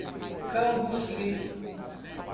Cambuci